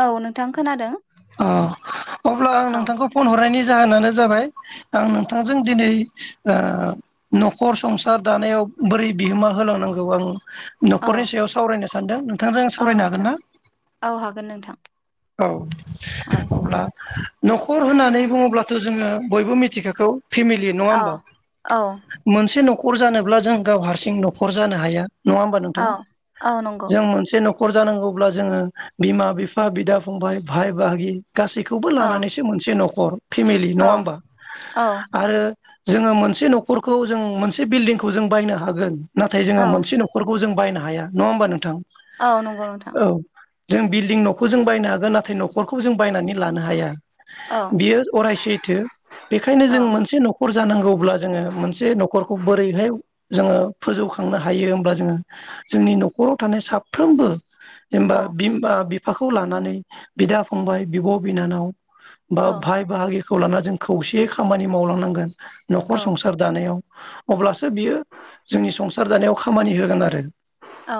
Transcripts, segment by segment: औ नों नोंथां खोनादों अ अब्ला आं औ नोंथांखौ फन हरनायनि जाहोनानो जाबाय आं नोंथांजों दिनै ओ न'खर संसार दानायाव बोरै बिहोमा होलांनांगौ आं औ न'खरनि सायाव सावरायनोसै सानदों नोंथांजों औ सावरायनो हागोन नोंथां ना? औ हागोन नोंथां औ औ अब्ला न'खर होननानै बुङोब्लाथ' जोङो बयबो मिथिखाग औ फेमिलि नङा औ होमबा औ मोनसे न'खर नखर जानोब्ला जों गाव हारसिं न'खर जानो हाया नङा होमबा औ नोंथां औ नंगौ जों मोनसे नख नखर जानांगौब्ला जोङो बिमा बिफा बिदा फं फंबाय भाइ बागि गासैखौबो औ लानानैसो मोनसे नख [unintelligible] फेमिलि औ नङा ओमबा औ आरो जोङो मोनसे नखरखौ जों मोनसे बिल्डिंखौ जों बायनो हागोन नाथाय जोङो औ मोनसे नखरखौ जों बायनां हाया, नङा होमबा नोंथां? औ नंगौ नोंथां औ जों बिल्डिं न'खौ जों बायनो हागोन नाथाय नखरखौ जों बायनानै लानो हाया औ बियो अराय सैथो बेखायनो औ जों मोनसे नखर जानांगौब्ला जोङो मोन मोनसे नखरखौ बोरैहाय जोङो फोजौखांनो हायो होमब्ला जोङो जोंनि नखराव थानाय साफ्रोमबो जेनबा औ बिमा बि फाखौ लानानै बिदा फंबाय, बिब' बिनानाव बा औ भाय बाहागिखौ खौ लाना जों खौसेयै खामानि मावलांनांगोन नखर औ संसार दानायाव अब्लास बियो जोंनि संसार जानायाव खामानि होगोन आरो औ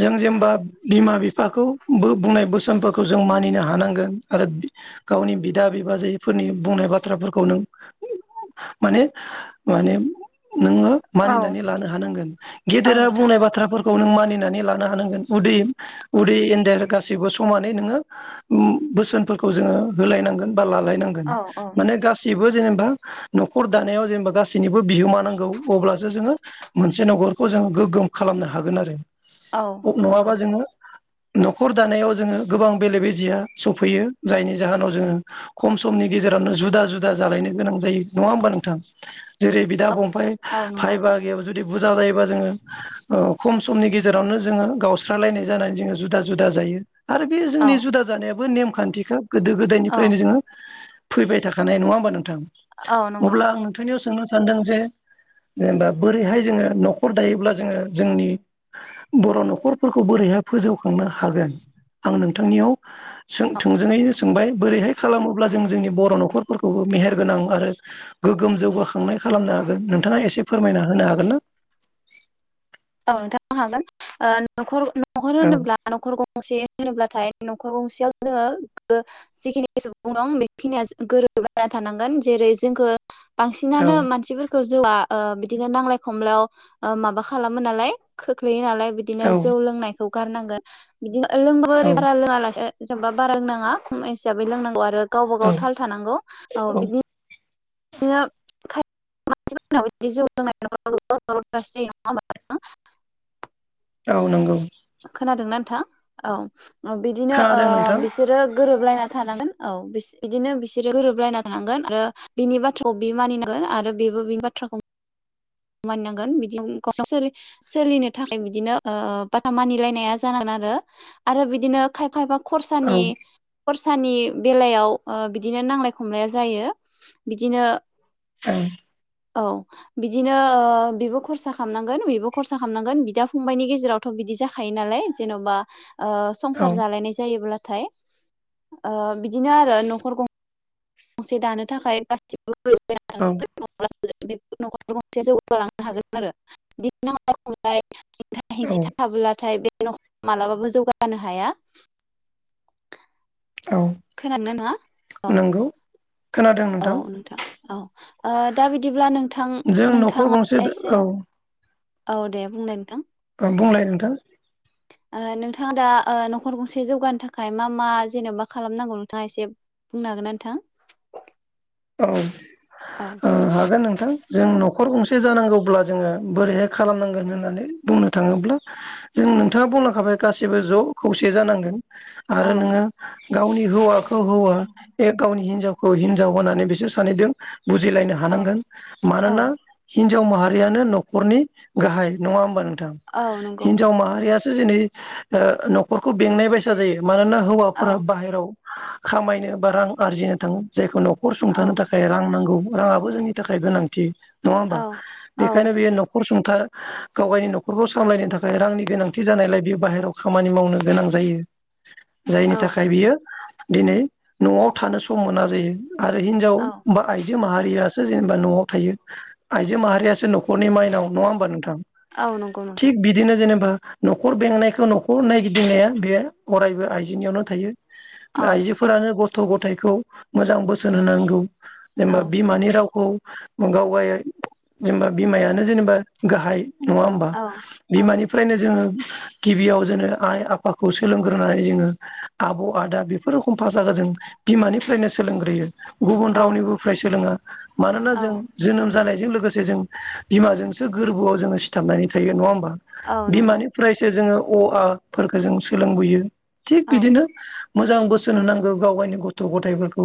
जों जेनबा बिमा बि बिफाखौ बो बुंनाय बोसो फोरखौ जों मानिनो हानांगोन आरो गावनि बिदा बिबाजैफोरनि बुंनाय बाथ्राफोरखौ नों ओ माने माने नोङो औ मानिनानै लानो हानांगोन औ गेदेरा नोंथां बुंनाय बाथ्राफोरखौ नों मानिनानै नानै लानो हानांगोन उदै उदै एनदेर गासैबो स समानै नोङो उम बोसोनफोरखौ जोङो होलायनांगोन लालायनांगोन औ औ माने गासिबो जेनेबा नखर दानायाव जेनेबा गासैनिबो बिहोमा नांगौ अब्लासो जोङो मोनसे नखर खौ जों गोग्गोम खालामनो हागोन आरो औ अ नङाबा नंगौ जोङो नखर दानायाव जोङो गोबां बेले बेजेया सौफैयो जायनि जाहोनाव जोङो खम समनि गेजेरावनो जुदा जुदा जालायनो गोनां जायो नङा होमबा नोंथां जेरै बिदा औ फंफाइ औ नंगौ फाइ बाहागियाबो जुदि बुरजा जायोबा जोङो अ खम समनि गेजेरावनो जोङो गावस्रालायनाय जानानै जोङो जुदा जुदा जायो। आरो बे औ जोंनि जुदा जानायाबो बो नेमखान्थिखो गोदो औ गोदायनिफ्रायनो जोङो फैबाय थाखानाय नङा होमबा नोंथां? औ नंगौ अब्ला आं नोंथांनियाव सोंनो स सानदों जे जेनेबा बोरैहाय जोङो न'खर दायोब्ला जोङो जोंनि बर नखरफोरखौ बोरैहाय फोजौखांनो हागोन? आं नोंथांनियाव सों थोंजोङैनो सोंबाय बोरैहाय खालामोब्ला जों जोंनि बर नखरफोरखौबो मेहेर गोनां आरो गोग्गोम जौगाखांनाय खालामनो हागोन नोंथाङा एसे फोरमायना होनो हागोन ना? औ नोंथां भागों ओ नखर नखर औ होनोब्ला नखर गंसे होनोब्लाथाय न नखर गंसेयाव जोङो जिखिनि सुबुं दं बेखिनिया गोरोब लायना थानांगोन जेरै जोंखो औ बांसिनानो मानसिफोरखौ जौआ ओ बिदिनो नांलाय खमलायाव माबा खालाम मो नालाय खोख्लैयो नालाय। बिदिनो जौ लोंनाय गारनांगोन औ [unintelligible] जेनेबा बारा लोंनाङा खम हिसाबै लोंनांगौ आरो गावबा गाव औ थाल थानांगौ औ बिदि [unintelligible] औ नंगौ खोनादोंना नोंथां? औ। बिदिनो खोनादों ओ नोंथां बिसोरो गोरोब गोरोबलायना थानांगोन औ बिदिनो बिसोरो गोरोबलायना थानांगोन आरो बिनि बाथ्राखौ बि मानिनांगोन आरो बेबो बिनि बाथ्राखौ मानिनांगोन बिदि सोलिनो थाखाय बिदिनो बाथा मानिलायनाया जानांगोन आरो आरो बिदिनो खायफा खायफा औ खरसानि खरसानि बेलायाव ओ बिदिनो नांलाय खमलाया जायो बिदिनो औ। औ बिदि बिदिनो ओ बेबो खरसा खालामनांगोन बेबो खरसा खालामनांगोन बिदा फंबायनि गेजेरावथ बिदि जाखायो नालाय जेनबा औ संसार जालायनाय जायोब्ला। नाथाय ओ बिदिनो आरो नखर गं गंसे दानो थाखाय गासिबो औ [unintelligible] नखर गंसेया जौगालांनो हागोन आरो बिदि नांलाय खमलाय [unintelligible] [unintelligible] मालाबाबो जौगानो हाया औ खोनादोंना अ नंगौ औ नोंथां औ ओ दा बिदिब्ला नोंथां जों न'खर नोंथाङा गंसे एसे औ औ दे बुंलाय नोंथां बुंलाय नोंथां ओ नोंथांआ दा न'खर गंसे जौगानो थाखाय मा मा जेन'बा खालामनांगौ नोंथाङा एसे बुंनो हागोन ना नोंथां? औ औ ओ हागोन नोंथां जों न खर गंसे जानांगौब्ला जोङो बोरैहाय खालामनांगोन होननानै बुंनो थाङोब्ला जों नोंथाङा बुंलांखाबाय गासिबो ज' खौसे जानांगोन। औ आरो नोङो गावनि हौवाखौ हौवा ए गावनि हिनजावखौ हिनजाव होनानै बिसोर सानैदों बुजिलायनो औ हानांगोन मानोना हि नजाव माहारियानो न'खरनि गाहाय नङा होमबा नों थां औ नंगौ हिनजाव माहारिया दिनै ओ न'खरखौ बेंनाय बायसा जायो। मानोना औ हौवाफोरा बाहेराव खामायनो बा रां आरजिनो थाङो जायखौ न औ सुंथानो थाखाय रां नांगौ राङाबो जोंनि थाखाय गोनांथि। नङाहोमबा औ बेखायनो बियो न खर सुंथा गावगायनि न'खरखौ सामलायनो थाखाय रांनि गोनांथि जानायलाय बेयो बाहेरायाव खामानि मावनो गोनां जायो जायनि औ थाखाय बियो दिनै न'आव थानो सम मोना जायो। आरो हिनजाव औ बा आइ जो माहारियासो जेनेबा न'आव थायो आइजो माहारियासो न खरनि माइनाव नङा होमबा नोंथां औ नंगौ नोंथां थिग बिदिनो जेनेबा न'खर बेंनायखौ न'खर नायगिदिंनाया बे अरायबो आइजोनियावनो थायो। बा औ आइजोफोरानो गथ' गथाय खौ मोजां बो- सोन होनांगौ। औ जेनेबा बिमानि रावखौ गावगाय जेनेबा बिमायानो जेनेबा गाहाय नङा होमबा औ औ बिमानिफ्रायनो जोङो गिबियाव जो आइ आफाखौ सोलोंग्रोनानै जोङो आब' आदा बेफोर रोखम भासाखौ जों बिमानिफ्रायनो सोलोंग्रोयो गुबुन औ रावनिबो फ्राय सोलोङा। मानोना औ जों जोनोम जानाय बेजों लोगोसे जों बिमाजोंसो गोरबोआव जोङो सिथाबनानै थायो नङा होमबा। औ नंगौ बिमानिफ्रायसो जोङो औ आ फोरखौ जों सोलोंबोयो थिग औ बिदिनो मोजां बोसोन होनांगौ गाव गावनि गथ' गथायाइफोरखौ।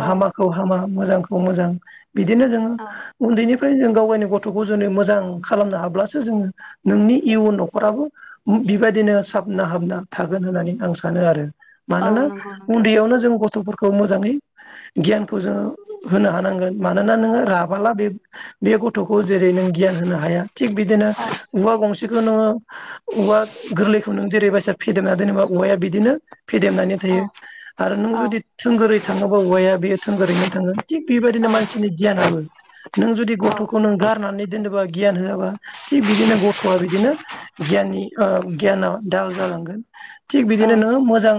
औ हामाखौ हामा मोजांखौ मोजां बिदिनो जोङो औ उन्दैनिफ्राय जों गाव गावनि गथ' गथ'खौ जु मोजां खालामनो हाब्लासो जोङो नोंनि इयुन न'खराबो बेबायदिनो साबना हाबना थागोन होननानै आं सानो आरो। औ मानोना नंगौ नोंथां उन्दैयावनो जों गथ' गथ'फोरखौ मोजाङै गियानखौ जोङो होनो हानांगोन मानोना नोङो राबाला बे बे गथ'खौ जेरै नों गियान होनो हाया थिग बिदिनो औवा गंसे खुनु औवा गोरलैखौ नों जेरै बसिया फेदेमना दोनोबा औवाया बिदिनो फेदेमनानै औ थायो आरो नों औ जुदि थोंगोरै औवाया बे थोंगोरैनो थाङो थिग बेदिनो मानसिनि गियाना ब नों जुदि औ गथ'खौ नों गारनानै दोनोबा गियान होआबा थिग बिदिनो गथ'आ बिदिनो गियाननि गियाना दाल जालांगोन। थिग औ बिदिनो नोङो मोजां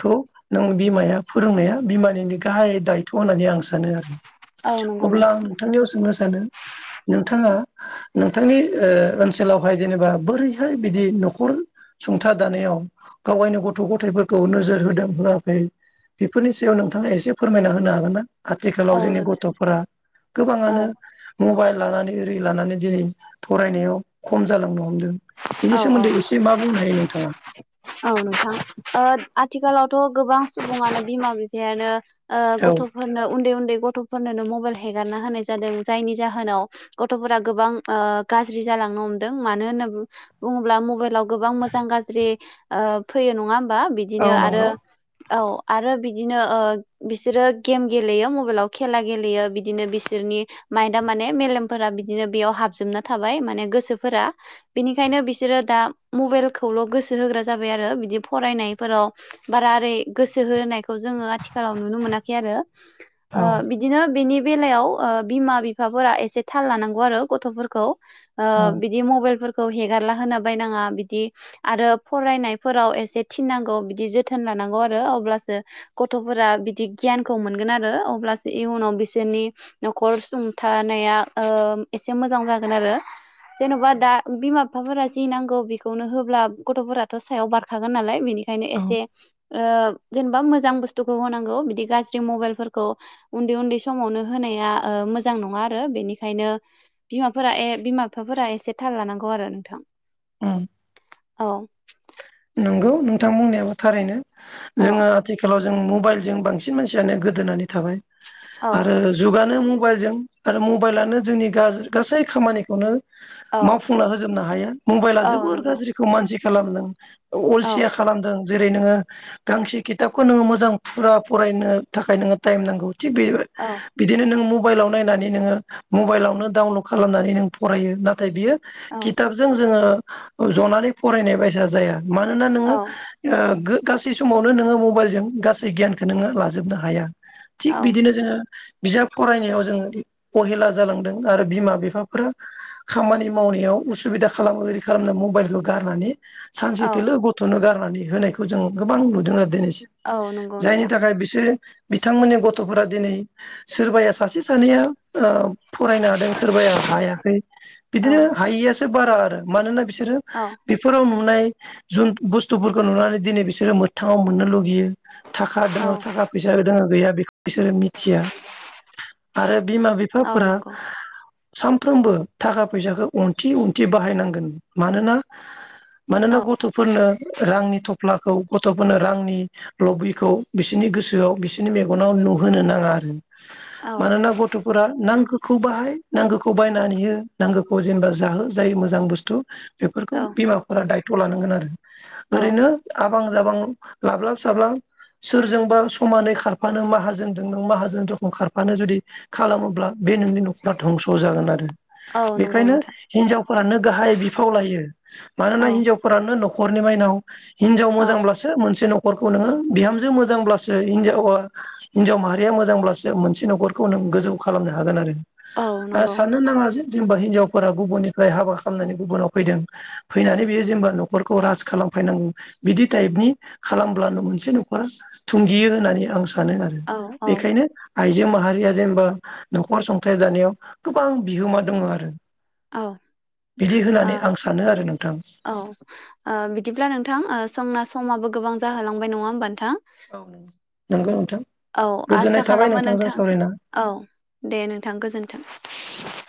खौ नों बिमाया फोरोंनाया बिमानिनि गाहाय दायथ' होननानै आं सानो आरो। औ नंगौ अब्ला आं नोंथां नोंथांनियाव सोंनोसै नोंथाङा नोंथांनि ओनसोलावहाय जेनेबा बोरैहाय बिदि न'खर सुंथा दानायाव गावायनो गथ' गथायफोरखौ नोजोर होदां होआखै बेफोरनि जयाव नोंथाङा एसे फोरमायना होनो हागोन ना आथिखालाव औ जोंनि नोंथां गथ'फोरा औ गोबाङानो मबाइल लानानै ओरै लानानै दिनै फरायनायाव खम जालांनो हमदों। बेनि औ औ सोमोन्दै एसे मा बुंनो हायो नोंथाङा औ नोंथां आथिखालाव थ' गोबां सुबुङानो बिमा बिफायानो औ गथ'फोरनो उन्दै उन्दै गथ'फोरनोननो मबाइल हेगारना होनाय जादों जायनि जाहोनाव गथ'फोरा गोबां आ गाज्रि जालांनो हमदों मानो होनोब्ला बुङोब्ला मबाइलाव गोबां मोजां गाज्रि फैयो नङा बा औ बिदिनो आरो नंगौ औ आरो बिदिनो ओ बिसोरो गेम गेलेयो मबाइलाव खेला गेलेयो बिदिनो बिसोरनि माइन्दन्दा माने मेलेमफोरा बिदिनो बेयाव हाबजोबना थाबाय माने गोसोफोरा। बिनिखायनो बिसोरो दा मबाइलखौल' गोसो होग्रा जाबाय आरो बिदि फरायनायफोराव बारा ओरै गोसो होनायखौ आथिखालाव नुनो मोनाखै ओ औ बिदिनो बिनि बे बेलायाव बिमा बिफाफोरा एसे थाल लानांगौ आरो गथ'फोरखौ। ओ औ बिदि मबाइल फोर खौ हेगारला होना बायनाङा बिदि आरो फरायनायफोराव एसे थिननांगौ बिदि जोथोन लानांगौ आरो अब्लासो गथ'फोरा बिदि गियानखौ मोनगोन आरो अब्लासो इयुनाव बिसोरनि न'खर सुंथानाया ओ एसे मोजां जागोन आरो जेन'बा दा बिमा बिफाफोरा जि नांगौ बेखौनो होब्ला गथ'फोराथ' सायाव बारखागोन नालाय बेनिखायनो औ एसे जेनेबा मोजां बुस्थुखौ होनांगौ बिदि गाज्रि मबाइलफोरखौ उन्दै-उन्दै समावनो होनाया मोजां नङा आरो बेनिखायनो बिमाफोरा ए बिमा बिफाफोरा एसे थाल लानांगौ । गौ आरो नथां। औ औ नंगौ नोंथां बुंनायाबो थारैनो। औ जोङो आथिखालाव जों मबाइल जों बांसिन मानसियानो गोदोनानै थाबाय। औ आरो जुगानो मु मबाइलजों आरो मबाइलानो जोंनि ग गासै खामानिखौनो औ मावफुंना होजोबनो हायो। मबाइला औ जोबोर नंगौ गाज्रिखौ मानसि खालामदों औ अलसिया खालामदों। जेरै नोङो गांसे खिथाबखौ नोङो मोजां फुरा फरायनो थाखाय नोङो टाइम नांगौ। थिग बे औ बिदिनो नों मबाइलाव नायनानै नोङो मबाइलावनो डाउनलड खालामनानै नों फरायो नाथाय बियो औ खिथाबजों जोङो जनानै फरायनाय बायसा जाया। मानोना नोङो औ ओ गो गासै समावनो नोङो मबाइलजों गासै गियानखौ नोङो लाजोबनो हाया। थिग औ बिदिनो जोङो बिजाब फरायनायाव जोङो अहेला जालांदों आरो बिमा बिफाफोरा खामानि मावनायाव उसुबिदा खालामो रि खालामनो मबाइलखौ गारनानै औ सानसेथोल' गथ'नो गार होनायखौ जों गोबां नुदों आरो दिनै औ नंगौ जायनि नोंथां थाखाय बिसोरो बिथांमोननि गथ'फोरा दिनै सोरबाया सासे सानैया ओ फरायनो हादों सोरबाया हायाखै औ बिदिनो हायैयासो बारा आरो मानोना बिसोरो औ बेफोराव नाय जुन बुस्थुफोरखौ नुनानै दिनै बिसोरो मोगथाङाव मोननो लुगैयो। थाखा दङ औ थाखा फैसा दङो गैया बेखौ बिसोरो मिथिया [inaudible] आरो बिमा औ बिफाफोरा नंगौ सानफ्रोमबो थाखा फैसाखौ उनथि उनथि बाहायनांगोन मानोना मानोना औ गथ'फोरनो रांनि थफ्लाखौ गथ'फोरनो रांनि लबिखौ बिसोरनि गोसोआव बिसोरनि मेगनाव नुहोनो नाङा आरो औ मानोना गथ'फोरा नांगौ खौ बाहाय नांगौखौ बायनानै हो नांगौखौ जेनेबा जाहो जायो मोजां बुस्थु बेफोरखौ औ बिमा दायथ' लानांगोन आरो औ ओरैनो जाबां जाबां लाब्लाब साब्लाब सोरजोंबा समानै खारफानो माहाजोनजों नों माहाजोन रोखोम खारफानो जुदि खालामोब्ला बे नोंनि न'खरा धंस' जागोन आरो औ नंगौ बेखायनो नोंथां हिनजाव फोरानो गाहाय बिफाव लायो । मानोना औ हिन्जावफोरानो न' खरनि मायनाव हिनजाव औ मोजांब्लासो मोनसे न'खर न'खरखौ नोङो बिहामजो मोजांब्लासो हिनजावा हिनजाव माहारिया मोजांब्लासो मोनसे न'खरखौ नों गोजौ खालामनो हागोन आरो औ ओ नंगौ साननो नाङा जे जेनेबा हिनजावफोरा गुबुननिफ्राय हाबा खालामनानै गुबुनाव फैदों । फैनानै बियो जेनेबा न'खरखौ राज खालामफैनांगौ बिदि टाइपनि खालामब्लानो मोनसे न'खरा थुंगियो होननानै आं सा नो आरो औ औ बेखायनो आइजो माहारिया जेनेबा न'खर संसार जानायाव गोबां बिहोमा दङ आरो औ ओ बिदि होननानै आं सानो आरो नों औ ओ बिदिब्ला नोंथां संना समाबो गोबां जाहोलांबाय नङा होमबा नोंथां? औ नंगौ नोंथां [inaudible] औ गोजोननाय आसा थाबाय खालामो नोंथांजों नोंथां सावरायना। औ दे नोंथां गोजोन्थों ।